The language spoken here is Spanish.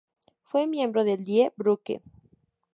Fue miembro de Die Brücke.